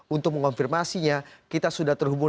untuk mengonfirmasinya kita sudah terhubung